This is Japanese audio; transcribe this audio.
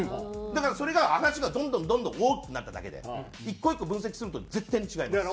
だから話がどんどんどんどん大きくなっただけで１個１個分析すると絶対に違います。